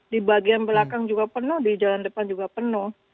di bagian belakang juga penuh di jalan depan juga penuh